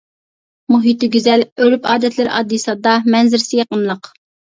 مۇھىتى گۈزەل، ئۆرپ-ئادەتلىرى ئاددىي-ساددا، مەنزىرىسى يېقىملىق.